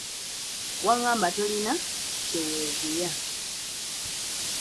Waŋŋamba tolina kye weeguya.